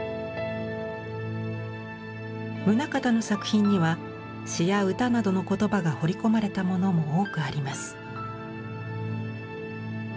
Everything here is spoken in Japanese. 棟方の作品には詩や歌などの言葉が彫り込まれたものも多くあります。